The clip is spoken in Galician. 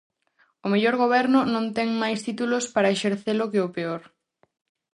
O mellor Goberno non ten máis títulos para exercelo que o peor.